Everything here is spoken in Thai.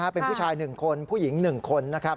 เป็นผู้ชาย๑คนผู้หญิง๑คน